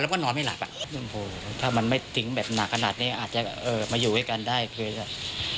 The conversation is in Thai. แล้วก็นอนไม่หลักอ่ะถ้ามันไม่นั้งมาเงียบขนาด